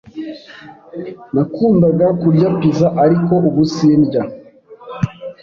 Nakundaga kurya pizza, ariko ubu sindya.